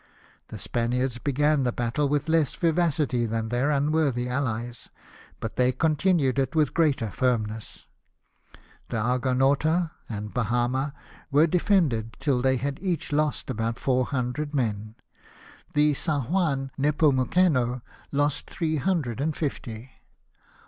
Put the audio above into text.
The Spaniards began the battle with less vivacity than their un worthy allies, but they continued it with greater firmness. The Argonctuta and Bahama Avere de fended till they had each lost about four hundred men ; the St. Jva n Xepoimtceno lost three hundred and fifty.